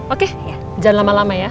oke jangan lama lama ya